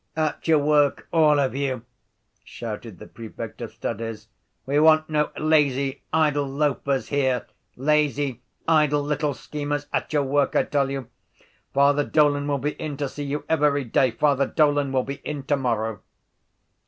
—At your work, all of you! shouted the prefect of studies. We want no lazy idle loafers here, lazy idle little schemers. At your work, I tell you. Father Dolan will be in to see you every day. Father Dolan will be in tomorrow.